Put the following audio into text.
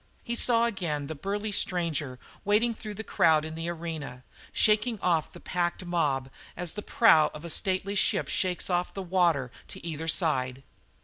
He saw again the burly stranger wading through the crowd in the arena, shaking off the packed mob as the prow of a stately ship shakes off the water, to either side.